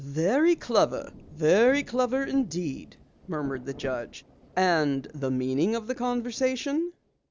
"Very clever, very clever indeed," murmured the judge. "And the meaning of the conversation?"